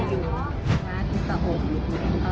เนื้อกลายมันจะแข็งสุดค่ะ